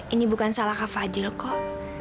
ini bukan salah ka fadil kok